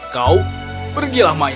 kau pergilah main